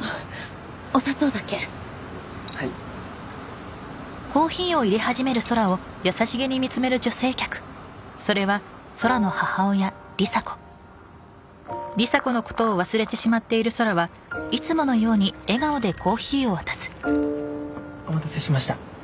あっお砂糖だけはいお待たせしました